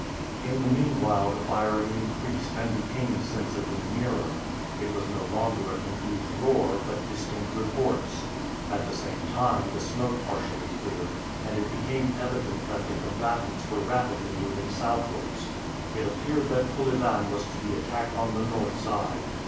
In the meanwhile the firing increased, and became sensibly nearer. It was no longer a confused roar, but distinct reports. At the same time the smoke partially cleared, and it became evident that the combatants were rapidly moving southwards. It appeared that Kolyvan was to be attacked on the north side.